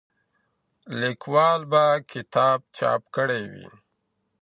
لیکوال به کتاب چاپ کړی وي.